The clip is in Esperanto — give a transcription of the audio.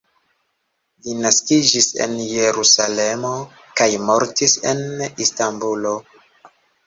Li naskiĝis en Jerusalemo kaj mortis en Istanbulo.